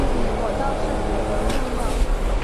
我倒是觉得重要